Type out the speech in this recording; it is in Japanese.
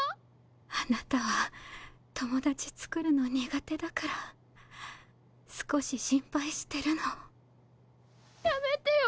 あなたは友達つくるの苦手だから少し心配してるのやめてよ